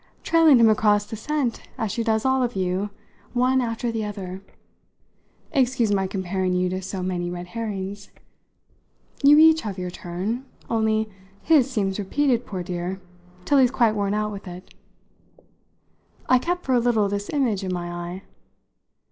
"Trailing him across the scent as she does all of you, one after the other. Excuse my comparing you to so many red herrings. You each have your turn; only his seems repeated, poor dear, till he's quite worn out with it." I kept for a little this image in my eye.